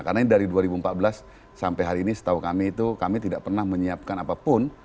karena ini dari dua ribu empat belas sampai hari ini setahu kami itu kami tidak pernah menyiapkan apapun